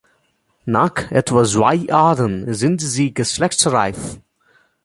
Nach etwa zwei Jahren sind sie geschlechtsreif.